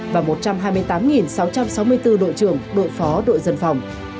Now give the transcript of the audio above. và một trăm hai mươi tám sáu trăm sáu mươi bốn đội trưởng đội phó đội dân phòng